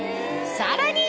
さらに！